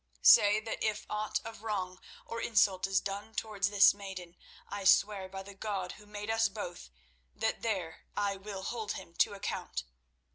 Say that if aught of wrong or insult is done towards this maiden, I swear by the God who made us both that there I will hold him to account.